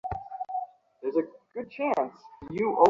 তুমি ঠিক মাইকেল জর্ডানের মতো আমার বন্ধু তুমিও খুব ভাল।